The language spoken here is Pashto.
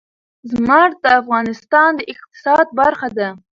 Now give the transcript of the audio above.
زمرد د افغانستان د اقتصاد برخه ده.